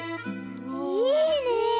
いいね！